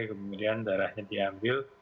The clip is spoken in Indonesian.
kemudian darahnya diambil